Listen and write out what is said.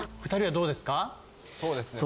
そうですね